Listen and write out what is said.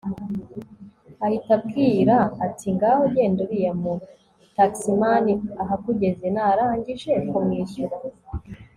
ahita ambwira ati ngaho genda uriya mutaximan ahakugeze narangije kwumwishyura